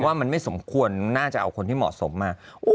ว่ามันไม่สมควรน่าจะเอาคนที่เหมาะสมมา